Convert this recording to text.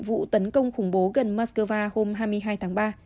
vụ tấn công khủng bố gần moscow hôm hai mươi hai tháng ba